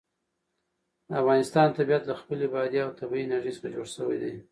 د افغانستان طبیعت له خپلې بادي او طبیعي انرژي څخه جوړ شوی دی.